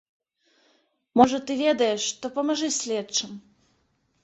Можа, ты ведаеш, то памажы следчым.